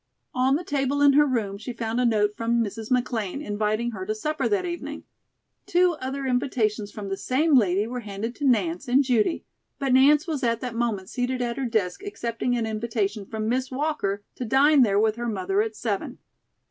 On the table in her room she found a note from Mrs. McLean, inviting her to supper that evening. Two other invitations from the same lady were handed to Nance and Judy, but Nance was at that moment seated at her desk accepting an invitation from Miss Walker to dine there with her mother at seven.